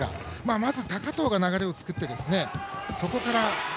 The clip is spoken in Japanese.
まず高藤が流れを作ってそこから。